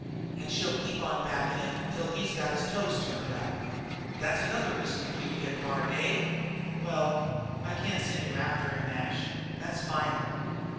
And she'll keep on backin' him till he's got his toes turned up." "That's another reason for you to get Bard, eh? Well, I can't send you after him, Nash. That's final."